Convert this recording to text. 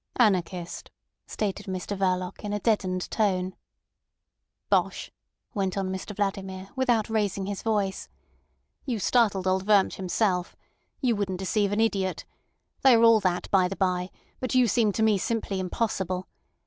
"Anarchist," stated Mr Verloc in a deadened tone. "Bosh!" went on Mr Vladimir, without raising his voice. "You startled old Wurmt himself. You wouldn't deceive an idiot. They all are that by the by, but you seem to me simply impossible.